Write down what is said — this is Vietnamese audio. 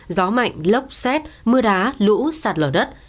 gió mạnh lốc xét mưa đá lũ sạt lở đất